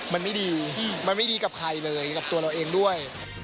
มันไม่ดีมันไม่ดีกับใครเลยกับตัวเราเองด้วย